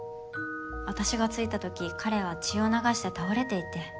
私が着いたとき彼は血を流して倒れていて。